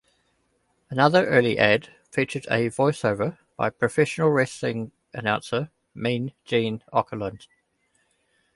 Another early ad featured a voiceover by professional-wrestling announcer "Mean Gene" Okerlund.